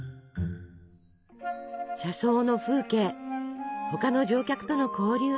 車窓の風景他の乗客との交流。